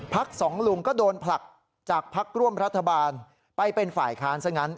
สองลุงก็โดนผลักจากพักร่วมรัฐบาลไปเป็นฝ่ายค้านซะงั้น